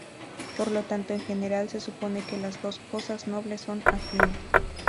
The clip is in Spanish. Por lo tanto, en general se supone que las dos casas nobles son afines.